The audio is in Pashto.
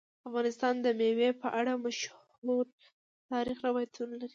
افغانستان د مېوې په اړه مشهور تاریخی روایتونه لري.